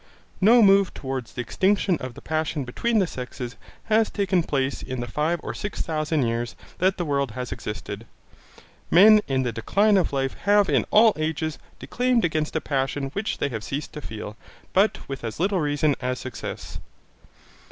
No move towards the extinction of the passion between the sexes has taken place in the five or six thousand years that the world has existed. Men in the decline of life have in all ages declaimed against a passion which they have ceased to feel, but with as little reason as success.